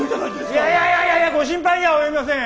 いやいやいやいやご心配には及びません。